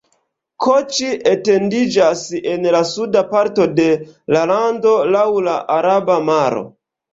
Koĉi etendiĝas en la suda parto de la lando laŭ la Araba Maro.